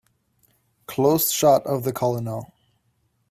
Close shot of the COLONEL.